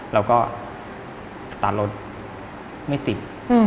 เราก็สตาร์ทรถไม่ติด